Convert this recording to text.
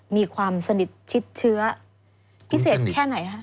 มีความสนิทชิดเชื้อพิเศษแค่ไหนคะ